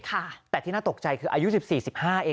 แต่ที่น่าตกใจคืออายุ๑๔๑๕เอง